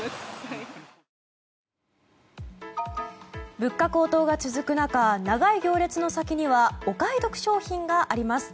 物価高騰が続く中長い行列の先にはお買い得商品があります。